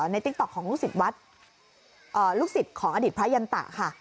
ติ๊กต๊อกของลูกศิษย์วัดลูกศิษย์ของอดีตพระยันตะค่ะ